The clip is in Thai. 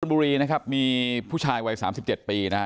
บุรีนะครับมีผู้ชายวัย๓๗ปีนะฮะ